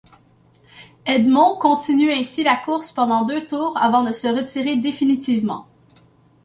Edmond continue ainsi la course pendant deux tours avant de se retirer définitivement.